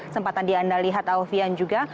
sempatan di anda lihat alfian juga